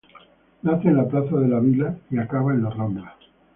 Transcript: Nace en la plaza de la Vila y acaba en la Rambla.